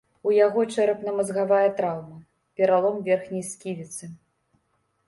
У яго чэрапна-мазгавая траўма, пералом верхняй сківіцы.